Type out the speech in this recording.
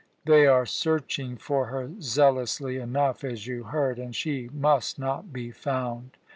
They are searching for her zealously enough, as you heard, and she must not be found.